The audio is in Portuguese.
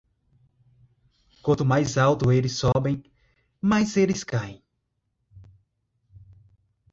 Quanto mais alto eles sobem, mais eles caem.